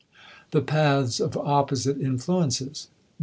*The Paths of Opposite Influences.